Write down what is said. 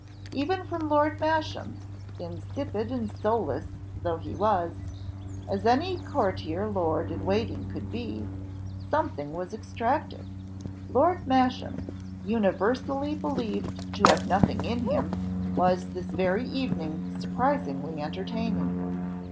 Even from Lord Masham, insipid and soulless though he was, as any courtier lord in waiting could be, something was extracted: Lord Masham, universally believed to have nothing in him, was this evening surprisingly entertaining.